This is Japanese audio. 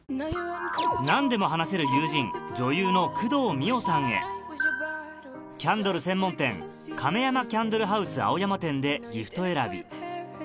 何でも話せる友人女優の工藤美桜さんへキャンドル専門店カメヤマキャンドルハウス青山店でギフト選び